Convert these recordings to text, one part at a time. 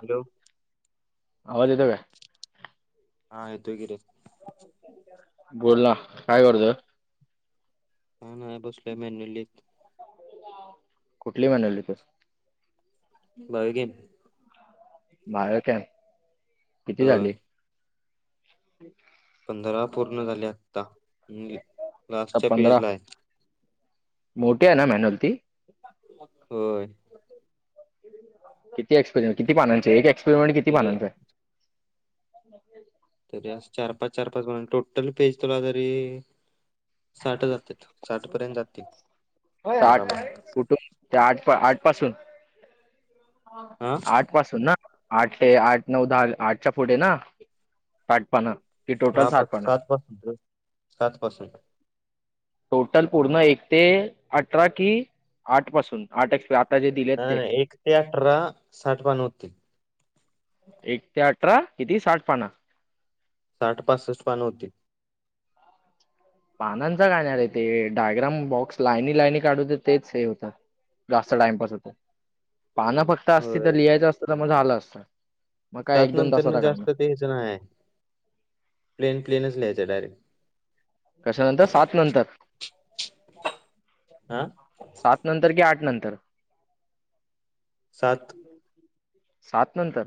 Hello! आवाज येतोय काय? हा, येतोय की रे. बोल ना, काय करतो? हा ना बसलोय मेन्युलीत. कुठली मेनू लिहितोय? [inaudible] [unintelligible] किती होय झाली. [inaudible] पंधरा पूर्ण झाले आता, आता लास्टच्या पेज ला हे. मोठे आहे ना मॅन्युअ ती. होय. किती एक्सपरमेट कती पानाचे, एक एक्परमेट कती तरी पानांचा आहे? [unintelligible] तरी अस चार पाच, चार पाच मण टोटल पेज तुला तरी साठच असतेत. साठपर्यंत जातील आरामात. त्या आठ पासून, आठ पासून हा आठ पासून ना. आठ ते आठ, नऊ, दहा, आठच्या पुुटे ना आटपाण. नव पा सात पास सात पासून. टोटल पूर्ण एक ते अठरा की आठ पासून आठ जे दिलेत नाही नाही एक ते अठरा साठ पान होती. एक ते अठरा किती साठ पाना साठ पासष्ट पानं होती. पानांचा कायणार हे ते डायग्राम बॉक्स लाईनी लाईनी काढूते तेच हे होत. जास्त टाइमपास होत, पानं स्पष्ट असती होय तर लिहायच असत तर मग आल असत. सात नंतर न जास्त लेयच नाय प्लेन प्लेनच लिहायच डायरेक्ट. कशा नंतर सात नंतर. हा.. सात नंतर कि आठ नंतर. सात सात नंतर,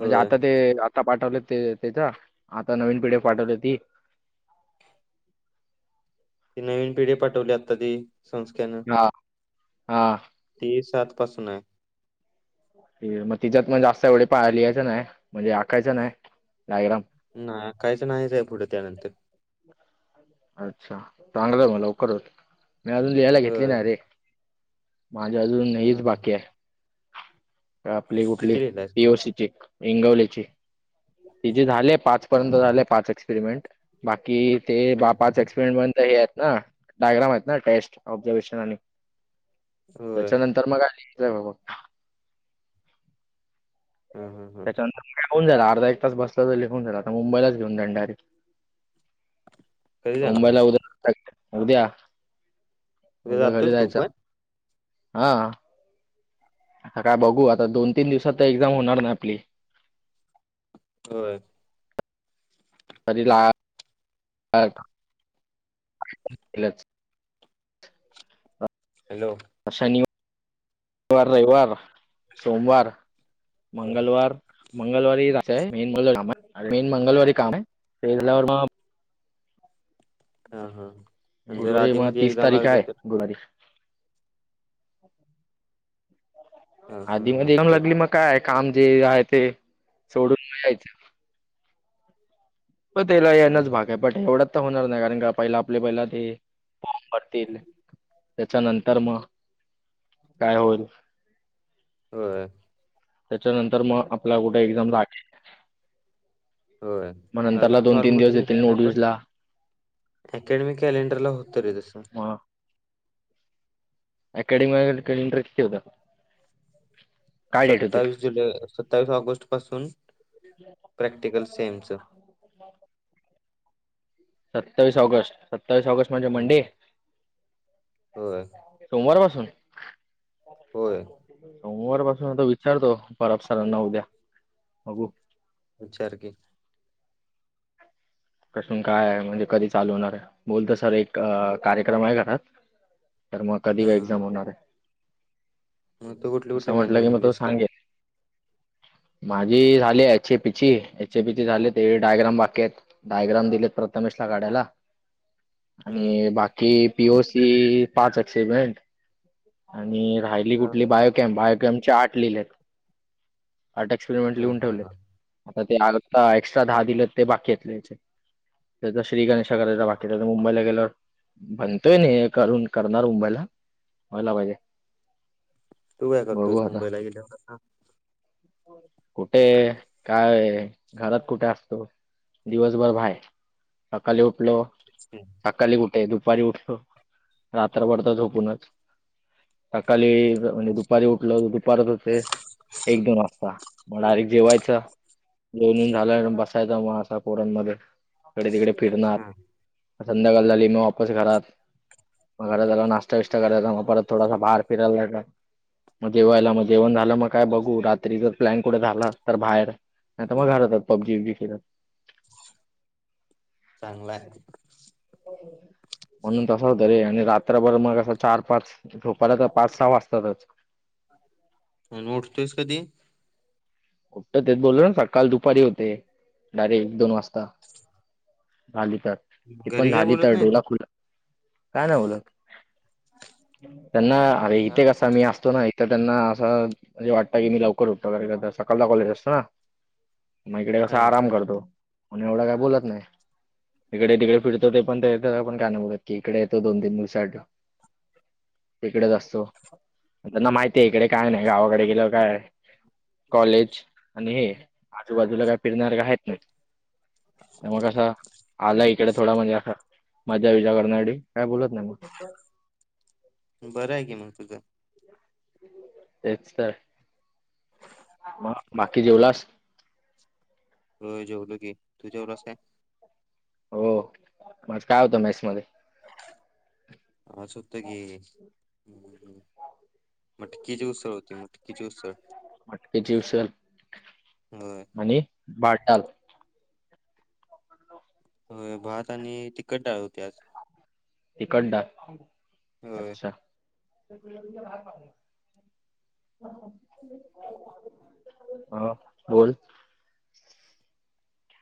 म्हणजे आता ते आता पाठवले ते त्याच्या आता नवीन पिढ पाठवली ती. ते नवीन पिढे पाठवली आता ती संस्थे न. हा, हा. ते सात पासन. मग तिच्यात मण जास्त एवढे पा लिहायच नाही म्हणजे आकायच नाही डायगराम. नाही आकायच नाही त्या पुढ त्यानंतर. अच्छा, चांगला हो लवकर होत मी अजून लिहायला घेतली होय नाय रे. माझी अजून हेच हं हं बाकी आहे. आपली कुठली किती लिहिलायस मग तीओसीची इंगवलेची. तिचे झाले पाच हं पर्यंत झाले पाच एक्सपेरिमेंट बाकी ते हं बा पाच एक्सपिरिमेंट हे आहेत ना डायग्राम आहेत ना टेस्ट ऑबझर्वेशन आणि होय त्याच्यानंतर मग आ [unintelligible] बघ. हं हं हं त्याच्यानंतर लिहून झाला. अर्धा एक तास बसला तर लिहून झाला. आता मुंबईलाच घेऊन जाईल डायरेक्ट. कधी जाणार मुंबईला आहेस उद्या [unintelligible] उद्या. उद्या घरी जातोयस तू जायच. पण हा. आता काय बघू. आता दोन - तीन दिवसात तर, एक्झाम होणार ना, आपली. होय. तरी ला [unintelligible] हॅलो. शनिवार [unintelligible] शनिवार, रविवार. सोमवार, मंगलवार मंगळवारी [unintelligible] मेन मंगलवारी कामय. [unintelligible] हा, हा. जर गुरुवारी आधी- मग मधी, तीस एक्झाम तारीख लागली तर. [unintelligible] हा हा आधी- हा मध्ये एक्झाम चल लागली मग काय? काम जे आहे ते. सोडून यायचं त्याला हा यानाच हा भागय. पट एवढाच तर होणार नाही. कारण का, पहिला आपले, पहिला ते फॉर्म भरतील. त्याच्यानंतर मग. काय होईल? होय. त्याच्यानंतर मग, आपला कुठे एक्झाम लागेल. होय. मग नंतरला अजून दोन तीन फॉर्मच दिवस येतील निघले नाही पण. नोटीसला अकॅडमिक कॅलेंडरला होतं रे, तसं. मग अकॅडमी [unintelligible] कॅलेंडर किती होतं? काय डेट होती सत्तावीस जुलै, सत्तावीस ऑगस्ट पासून, प्रॅक्टिकल सेमच. सत्तावीस ऑगस्ट- सतावीस ऑगस्ट म्हणजे हम्म. मंडे होय. सोमवार पासून? होय सोमवार पासून. आता विचारतो. थोरात सरांना उद्या. बघू. विचार की. कसून कायय? म्हणजे कधी चालू होणारय? बोलतो, सर एक कार्यक्रम आहे घरात. तर मग कधी, हा का एक्झाम होणारय? मग त कुठले, कुठले? मॅन्यूअल की मग तो लिहिलेस का? सांगेल माझी झाली H A Peechi. H A पीची झाले. ते डायग्राम बाकीयत. डायग्राम दिलेत प्रथमेशला काडायला. आणि हम्म बाकी, पी ओ सी पाच अक्सेमेंट आणि राहिली ह कुठली बायोकॅम? बायोकॅमच्या आठ लिहिलेत. आट एक्सपिरिमेंट हम्म लिहून ह ठेवलेत. ह आता ते आता एक्स्ट्रा दहा दिलं ते बाकीयत लिहायचे. त्याचा श्री गणेशा चा करायचा बाकीय. मुंबईला गेल्यावर. मनतोय न ही करून -करणार मुंबईला. वयला पाहिजे. [inaudible] तू काय बघू करतोयस, आता मुंबईला गेल्यावर? कुठे? काय? घरात कुठे असतो? दिवसभर बाहर. सकाळी उठलो एक्सप्लिन. सकाळी कुठंय? दुपारी उठतो. रात्रभर तर झोपूनच. सकाळी म्हणजे दुपारी उठलं. दुपारच असते. एक-दोन वाजता मग डायरेक्ट जेवायचं, जेऊन झालं बसायचं मग असं पोरांनमध्ये इकडे तिकडे फिरणार. हा, मग संध्याकाळ झाली मग वापस घरात, मग घरात जाल्यावर नाश्ता-विष्टा करायचा मग परत थोडांसा बाहेर फिरायला जायचा, मग जेवायला मग जण झालं मग काय बो हो रात्री जर प्लॅन कुठे झाला, तर बाहेर नाही तर मग घरातच पबजी बिबजी खेळत. [unintelligible] चांगला आहे हो देतो. म्हणून तसं होतं रे आणि रात्रभर मग असं चार-पाच झोपायला तर पाच-सहा वाजतातच. आणि उठतोयस कधी? उठतो तेच बोललो ना सकाल दुपारी होते डायरेट दोन वाजता झाली तर तिथून घरी काय झाली बोलत तर, नाहीत? डोला खुला काय नाय बोलत. त्यांना अरे हा इथे कसा मी असतो ना एक तर त्यांना असं म्हणजे वाटतं की मी लवकर उठतो वगैरे सकाळचा कॉलेज असतो ना, मग इकडे कसा हा. आराम करतो, म्हणे एवढं काय बोलत नाही. हिकडे-तिकडे फिरतो, ते पण तेच पण काय नाही बोलत की इकडे येतो दोन-तीन दिवसांसाठी.. तिकडेच असतो, त्यांना माहिती आहे इकडे काय नाही गावाकडे गेल्यावर काय कॉलेज आणि हे आजूबाजूला काय फिरणारण्यासारखं हायत नाही. आणि मग कसं आला इकडे थोडा म्हणजे असं, मज्जा-बिज्जा काय बोलत नाही मग. बरायं की मग तुझं. तेच तर, मग बाकी जेवलास? होय जेवलो की तू जेवलास काय? हो आज काय होतं मेस मध्ये? आज हुतं की हूं-हूं -हूं मटकीची उसळ होती, मटकीची उसळ. मटकीची उसल होय आणि बाटाल. होय भात आणि तिखट डाळ होती आज तिखट डाळ होय अच्छा [unintelligible] [unintelligible] हा बोल.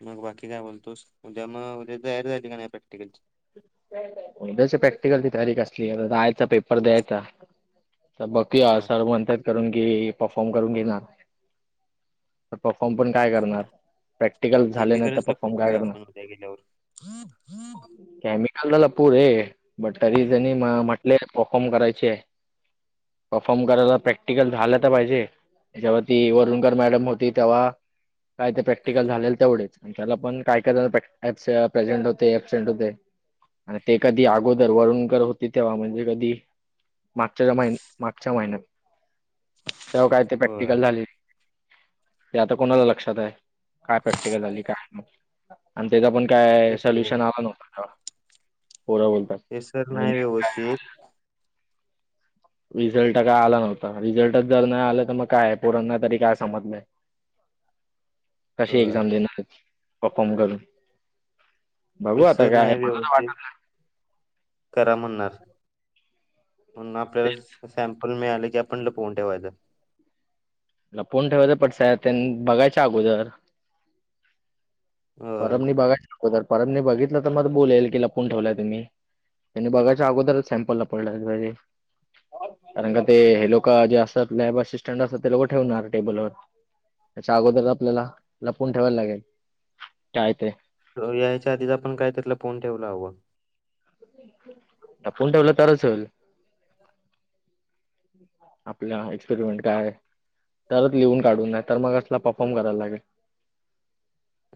मग बाकी काय बोलतोस, उद्या मग उद्याची तयारी झाली का नाही प्रॅक्टिकलची. उद्याच्या प्रॅक्टिकलची तयारी कसली जायचा पेपर द्यायचा. थकबाकी हा [unintelligible] करुन घे परफॉर्म करून घेणार तर परफॉर्म पण काय करणार प्रॅक्टिकल झाले नाही तर, केमिकल्सला परफॉर्म फोन काय ठेवूया करणार. आपण उद्या गेल्यावर. केमिकल ला लपवू रे बट तरी त्यांनी म्हटले परफॉर्म करायचे आहे. परफॉर्म करायला प्रॅक्टिकल झालं तर पाहिजे. जेव्हा ती वरुणकर मॅडम होती तेव्हा काय ते प्रॅक्टिकल झालेलं तेवढेच आणि त्याला पण काय-कायजण प्रेझेंट होते, ऍबसेंट होते. आणि ते कधी अगोदर वरूणकर होते तेव्हा म्हणजे कधी मागच्याच्या महिन्या मागच्या महिन्यात तेव्हा काय ते होय प्रॅक्टिकलं झाली. ते आता कोणाला लक्षात आहे काय प्रॅक्टिकल झाली काय नाही. आणि त्याचा पण काय तेच रे सोल्युशन आला नव्हता त्यावेळा पोरं बोलतात. ते सर आणि नाही व्यवस्थितं. रिझल्ट काय आला नव्हता, रिझल्टच जर नाही आलं तर मग काय पोरांना तरी काय समजलयं. कशी होय. एक्साम देणार परफॉर्म करून. बघू ते आता सर काय नाही मला तर व्यवस्थित. वाटत करा म्हणणार म्हणून आपल्यालाचं सॅम पण मिळाले की आपण लपवून ठेवायच. लपवून ठेवायच पण सह्या त्यांनी बघायच्या अगोदर. होय परभनी बघायचा अगोदर परभनी बघितल तर मग बोलेल कि लपून ठेवलय तुम्ही. त्यांनी बघायच्या अगोदरच सॅम्पल लपवून [unintelligible] कारण का ते हे लोक जे असत लॅब असिस्टंट असतात ते लोक ठेवूनार टेबलवर. त्याच्या अगोदर आपल्याला लपवून ठेवायला लागेल. काय ते. तो याचा आधीच आपण काय तरी लपवून ठेवयाला हव. लपवून ठेवल तरच होईल. [inaudible] आपल्या एक्सपेरिमेंट काय. तरच लिहून काढून नाही तर मग असला परफॉर्म करायला लागेल.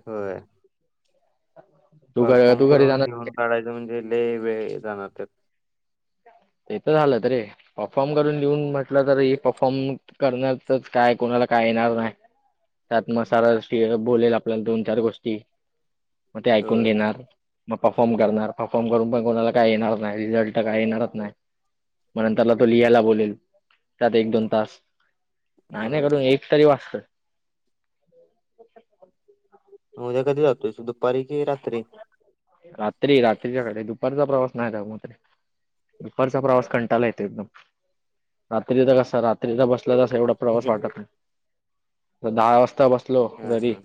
होय. तू घ परफॉर्म तू घरी करून जाणार लिहून काढायच म्हणजे लय वेळ जाणार त्यात. ते तर झालच रे परफॉर्म करून घेऊन म्हटल तरी. परफॉर्म करण्यातच काय कोणाला काय येणार नाही. त्यात मग सारा [unintelligible] बोलेल आपल्याला दोन चार गोष्टी मग ते ऐकून होय घेणार. मग परफॉर्म करणार परफॉर्म करून पण कोणाला काय येणार नाही रिझल्ट तर काय येणारच नाही. मग नंतर तो लिहायला बोलेल त्यात एक दोन तास. नाही नाही होय करून एक तरी वाचत. [unintelligible] उद्या कधी जातोय दुपारी की रात्री. रात्री. रात्रीची गाडी दुपारचा प्रवास नाही जमत रे. दुपारचा प्रवास कंटाला येतो एकदम रात्रीचा कसा रात्रीचा बसला तसा एवढा. प्रवास हा वाटत नाही. दहा वाजता बसलो जरी हा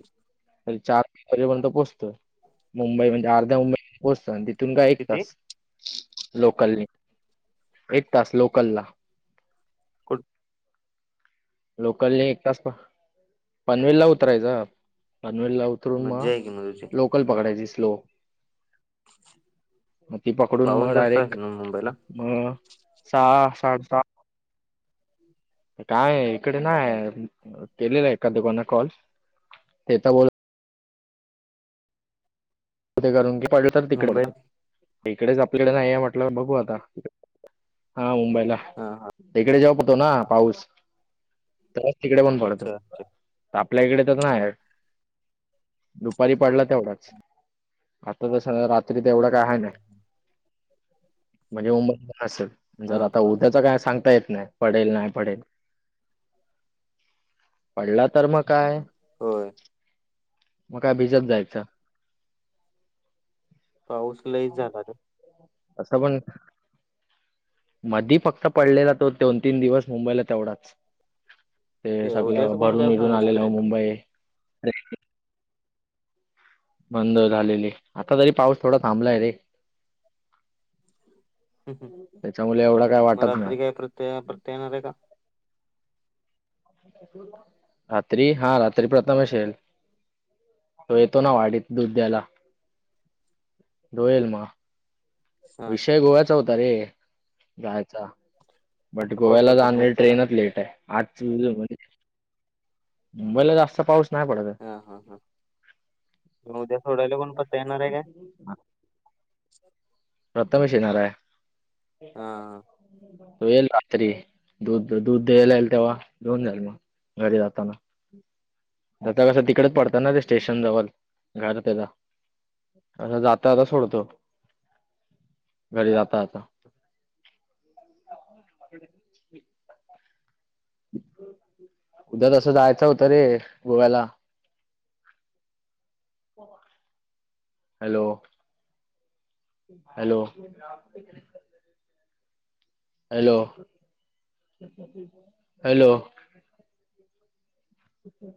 चार वाजेपर्यंत पोहचतो. मुंबई म्हणजे अर्ध्या मुंबई पोचत. तिथून काय एक किती तास लोकलनी. एक तास लोकल ला. [unintelligible] लोकलने एक तास पनवेल ला उतरायच. पनवेलला उतरून मज्जा आहे की तुझी मग लोकल पकडायची स्लो. मग ती पकडून पाऊस मग जास्त आहे डायरेक्ट ना मुंबईला ह सहा साडे सहा काय इकडे नाही. केलेल एका दुकाना कॉल, [unintelligible] करून की पडल, तर मुंबई तिकत इकडेच आपल्याकडे नाही म्हटल बघू आता. हा मुंबईला. हा हा तिकडे जेव्हा पडतो ना पाऊस लगेच तिकडे पण पडतो. अच्छा आपल्या इकडे तर नाही आहे दुपारी पडला तेवढाच आता तर रात्री तर एवढा काय आहे ना म्हणजे [unintelligible] असेल. जर हा आता हा उद्याच काय सांगता येत नाही. पडेल नाही पडेल. पडला तर मग काय. होय मग काय भिजत जायच. पाऊस लईच झाला रे. आता पण मधी फक्त पडलेला तो दोन तीन दिवस मुंबईला तेवढाच. ते सगळ उद्याच कोण भरून काय विरून सांगू आलेल शकणार मुंबई. बंद झालेली आता तरी पाऊस थोडा थांबलाय रे. त्याच्यामुळे एवढं काय वाटत नाही. प्रत्यत [unintelligible] तेणार आहे का रात्री हा रात्री प्रथमेश येईल. तो येतो ना वाडीत दुध देयला तो येईल मग. हा विषय गोव्याचा होता रे. जायचा बट पाऊस गोव्याला पडतोय ना जाणारी मुंबईला. ट्रेनच लेट आहे. आज म्हणज मुंबईला जास्त पाऊस नाही पडत. आहे. हा हा हा उद्या सोडायला पण होज [unintelligible] प्रथमेश येणार आहे. हा ह त येईल रात्री दूध दूध द्यायला येईल तेव्हा देऊन जाल मग. घरी जाताना. जता कसं तिकडेच पडतात ना ते स्टेशन जवळ घर त्याचा. आत्ता जाता जाता सोडतो घरी जाता जाता. उद्या तसं जायचं होतं रे गोव्याला. हॅलो हॅलो हॅलो हॅलो ठीके